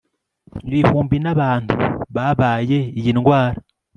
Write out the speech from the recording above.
ibihumbi n'abantu babaye iyi ndwara